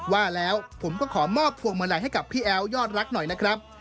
ว่าแล้วผมก็ขอมอบพวงมาลัยให้กับพี่แอ๋วยอดรักหน่อยนะครับ